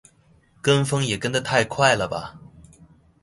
跟風也跟太快了吧